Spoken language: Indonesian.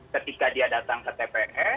ketika dia datang ke tps